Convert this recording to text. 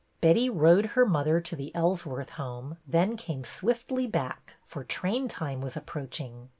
Betty rowed her mother to the Ellsworth home, then came swiftly back, for train time was approaching.